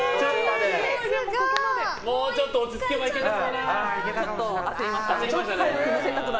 もうちょっと落ち着けばいけたかもな。